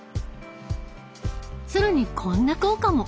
更にこんな効果も！